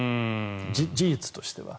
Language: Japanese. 事実としては。